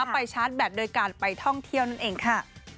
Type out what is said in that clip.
ชาร์จแบตโดยการไปท่องเที่ยวนั่นเองค่ะ